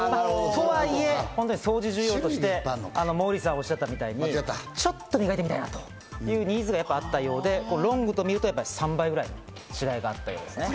とはいえ、掃除需要としてモーリーさんがおっしゃったみたいにちょっと磨いてみたいなというニーズがあったようでロングと見ると３倍ぐらい違いがあったようですね。